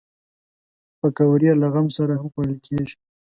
پکورې له غم سره هم خوړل کېږي